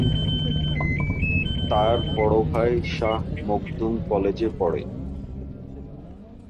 তার বড় ভাই শাহ মখদুম কলেজে পড়ে।